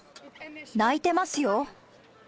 泣いてますよ？